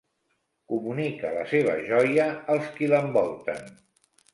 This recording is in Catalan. Comunica la seva joia als qui l'envolten.